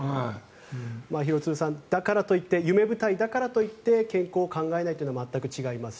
廣津留さんだからといって夢舞台だからといって健康を考えないというのも全く違います。